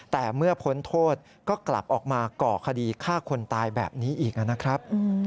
แต่เมื่อพ้นโทษก็กลับออกมาก่อคดีฆ่าคนตายแบบนี้อีกนะครับ